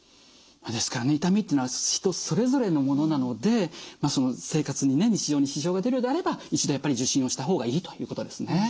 ですからね痛みっていうのは人それぞれのものなのでその生活にね日常に支障が出るようであれば一度やっぱり受診をした方がいいということですね。